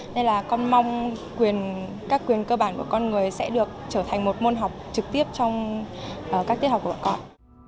nên là con mong quyền các quyền cơ bản của con người sẽ được trở thành một môn học trực tiếp trong các tiết học của bọn con